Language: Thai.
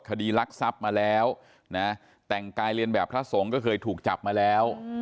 คดีรักทรัพย์มาแล้วนะแต่งกายเรียนแบบพระสงฆ์ก็เคยถูกจับมาแล้ว